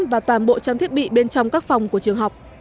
và toàn bộ trang thiết bị bên trong các phòng của trường học